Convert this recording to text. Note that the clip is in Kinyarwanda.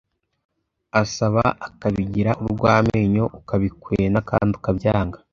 asaba ukabigira urwamenyo ukabikwena kandi ukabyanga